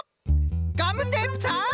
ガムテープさん。